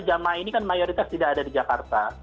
jamaah ini kan mayoritas tidak ada di jakarta